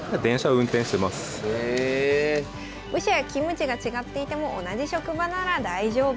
部署や勤務地が違っていても同じ職場なら大丈夫。